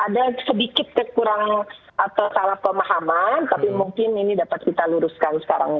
ada sedikit kekurangan atau salah pemahaman tapi mungkin ini dapat kita luruskan sekarang